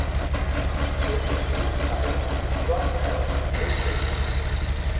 He was nicknamed Roughhouse Rudy.